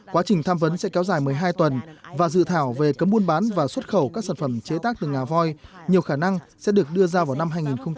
quá trình tham vấn sẽ kéo dài một mươi hai tuần và dự thảo về cấm buôn bán và xuất khẩu các sản phẩm chế tác từ ngà voi nhiều khả năng sẽ được đưa ra vào năm hai nghìn hai mươi